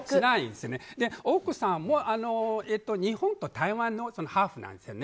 奥さんは日本と台湾のハーフなんですよね。